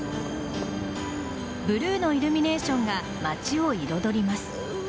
ブルーのイルミネーションが街を彩ります。